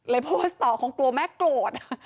เลยโพสต์ต่อของตัวแม่โกรธ